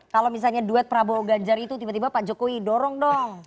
kalau misalnya duet prabowo ganjar itu tiba tiba pak jokowi dorong dong